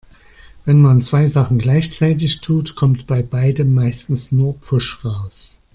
Wenn man zwei Sachen gleichzeitig tut, kommt bei beidem meistens nur Pfusch raus.